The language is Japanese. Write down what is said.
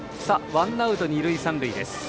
ワンアウト、二塁三塁です。